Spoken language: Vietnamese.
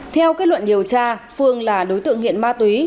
theo kết luận điều tra phương là đối tượng nghiện ma túy